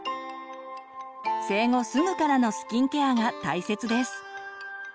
生後すぐからのスキンケアが大切です。